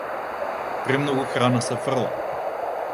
Премногу храна се фрла.